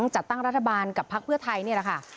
จัดตั้งรัฐบาลกับพักเพื่อไทยนี่แหละค่ะ